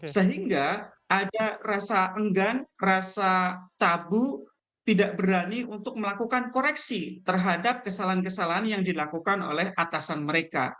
sehingga ada rasa enggan rasa tabu tidak berani untuk melakukan koreksi terhadap kesalahan kesalahan yang dilakukan oleh atasan mereka